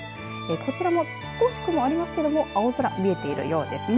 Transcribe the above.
こちらも少し雲がありますけど青空が見えているようですね。